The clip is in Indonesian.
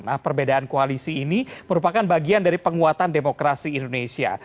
nah perbedaan koalisi ini merupakan bagian dari penguatan demokrasi indonesia